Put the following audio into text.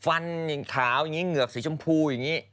ฟันอย่างขาวอย่างนี้เหงือกสีชมพูอย่างนี้